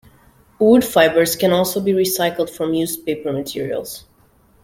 Wood fibres can also be recycled from used paper materials.